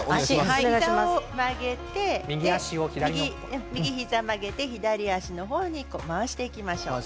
膝を曲げて右膝を曲げて左足の方に回していきましょう。